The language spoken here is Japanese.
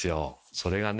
それがね